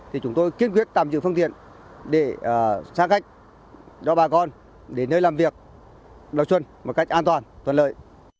thì chúng tôi kiên quyết tạm dự phương tiện để xác khách đòi bà con đến nơi làm việc đòi xuân một cách an toàn tuần lợi